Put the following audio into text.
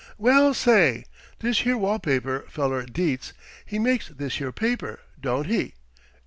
"Well, say! This here wall paper feller Dietz he makes this here paper, don't he?